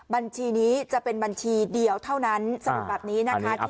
บัญชีนี้จะเป็นบัญชีเดียวเท่านั้นสรุปแบบนี้นะคะ